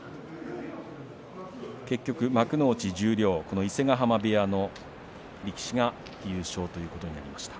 結局、幕内十両、この伊勢ヶ濱部屋の力士が優勝ということになりました。